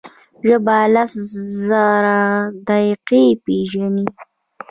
ژبه لس زره ذایقې پېژني.